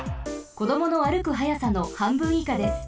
こどもの歩く速さのはんぶんいかです。